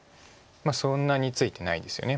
そんなについてないですよね